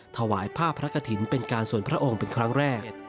ถวายผ้าพระกฐินเป็นการส่วนพระองค์เป็นครั้งแรก